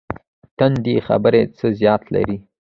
تندې خبرې څه زیان لري؟